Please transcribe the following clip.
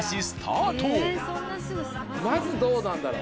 まずどうなんだろう。